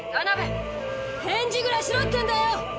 返事ぐらいしろってんだよ！